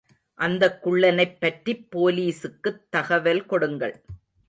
அந்தக் குள்ளனைப்பற்றிப் போலீசுக்குத் தகவல் கொடுங்கள்.